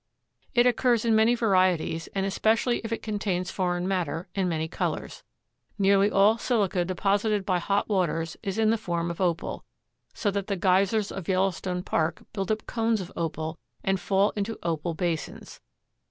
It occurs in many varieties, and, especially if it contains foreign matter, in many colors. Nearly all silica deposited by hot waters is in the form of Opal, so that the geysers of Yellowstone Park build up cones of Opal and fall into Opal basins.